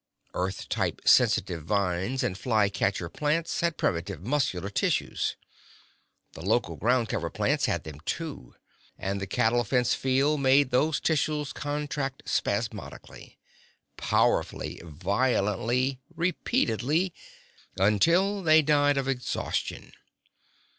Earth style sensitive vines and flycatcher plants had primitive muscular tissues. The local ground cover plants had them too. And the cattle fence field made those tissues contract spasmodically. Powerfully. Violently. Repeatedly. Until they died of exhaustion.